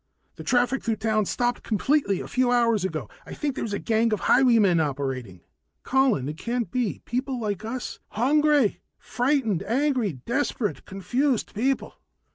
The traffic through town stopped completely a few hours ago I think there's a gang of highwaymen operating." "Colin, it can't be! Plain people like us " "Hungry, frightened, angry, desperate, confused people.